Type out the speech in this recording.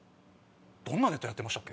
どんなネタやってましたっけ？